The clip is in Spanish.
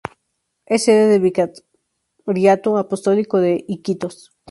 Es sede del Vicariato Apostólico de Iquitos.